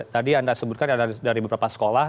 tadi anda sebutkan ada dari beberapa sekolah